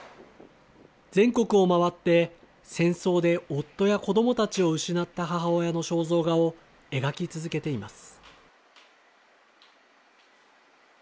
全国を回って、戦争で夫や子どもたちを失った母親の肖像画を描き続けています。